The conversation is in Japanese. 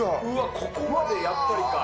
ここまでやっぱりか。